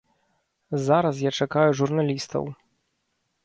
Зараз я чакаю журналістаў.